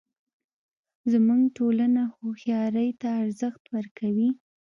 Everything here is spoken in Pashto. زموږ ټولنه هوښیارۍ ته ارزښت ورکوي